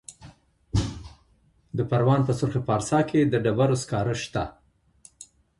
د پروان په سرخ پارسا کې د ډبرو سکاره شته.